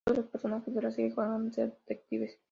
Todos los personajes de la serie juegan a ser detectives.